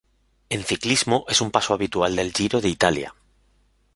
En ciclismo, es un paso habitual del Giro de Italia.